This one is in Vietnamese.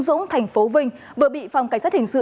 dũng thành phố vinh vừa bị phòng cảnh sát hình sự